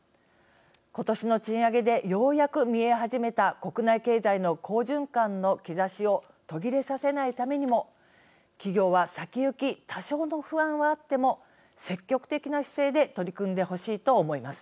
今年の賃上げでようやく見え始めた国内経済の好循環の兆しを途切れさせないためにも企業は、先行き多少の不安はあっても積極的な姿勢で取り組んでほしいと思います。